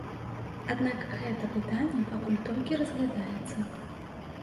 Аднак гэта пытанне пакуль толькі разглядаецца.